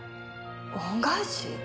恩返し？